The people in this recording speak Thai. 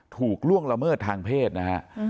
ถูกล่วงละเมิดทางเพศนะครับ